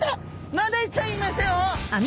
マダイちゃんいましたよ！